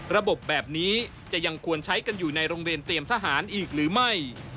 ระบบแบบนี้จะยังควรใช้กันอยู่ในโรงเรียนเตรียมทหารอีกหรือไม่